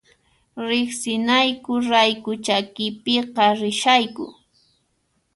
Riqsinayku rayku chakipiqa rishayku